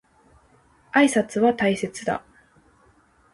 挨拶は大切だ。